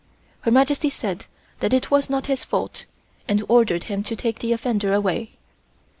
Her Majesty said that it was not his fault and ordered him to take the offender away.